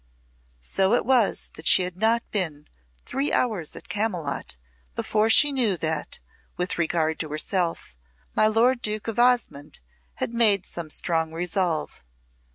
So it was that she had not been three hours at Camylott before she knew that, with regard to herself, my Lord Duke of Osmonde had made some strong resolve.